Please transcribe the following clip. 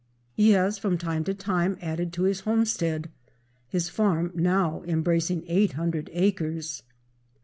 He has from time to time added to his homestead, his farm now embracing 800 acres.